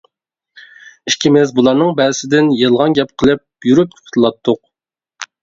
ئىككىمىز بۇلارنىڭ بەزىسىدىن يالغان گەپ قىلىپ يۈرۈپ قۇتۇلاتتۇق.